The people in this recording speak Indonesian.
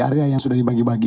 area yang sudah dibagi bagi